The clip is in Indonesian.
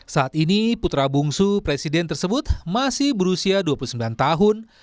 saat ini putra bungsu presiden tersebut masih berusia dua puluh sembilan tahun